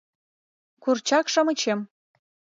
— Курчак-шамычем...